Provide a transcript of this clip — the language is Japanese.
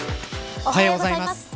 おはようございます。